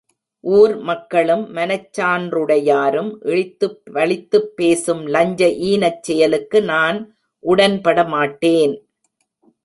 ஊர் மக்களும், மனச் சான்றுடையாரும் இழித்துப் பழித்துப் பேசும் லஞ்ச ஈனச் செயலுக்கு நான் உடன்பட மாட்டேன்!